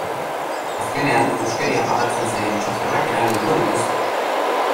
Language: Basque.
Azkenean, huskeria pagatzen zaien txoferrak erabiliko dituzte.